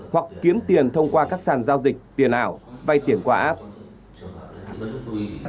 hoặc kiếm tiền thông qua các sàn giao dịch tiền ảo vay tiền qua app